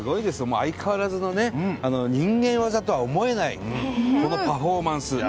相変わらずの、人間業とは思えないパフォーマンス。